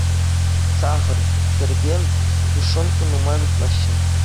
Сахӑр, кӗрпе, тушенка нумай выртмаҫҫӗ.